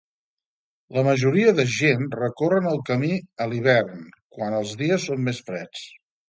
La majoria de gent recorren el camí a l'hivern, quan els dies són més freds.